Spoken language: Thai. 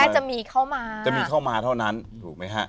จะมีเข้ามาจะมีเข้ามาเท่านั้นถูกไหมฮะ